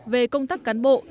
về công tác cán bộ